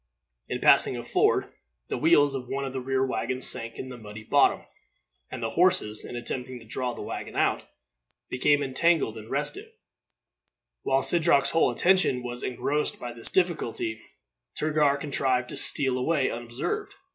In passing a ford, the wheels of one of these rear wagons sank in the muddy bottom, and the horses, in attempting to draw the wagon out, became entangled and restive. While Sidroc's whole attention was engrossed by this difficulty, Turgar contrived to steal away unobserved.